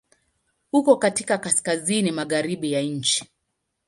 Uko katika kaskazini-magharibi ya nchi.